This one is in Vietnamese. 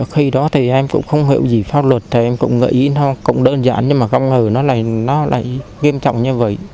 khi đó thì em cũng không hiểu gì pháp luật em cũng nghĩ nó cũng đơn giản nhưng mà không ngờ nó lại nghiêm trọng như vậy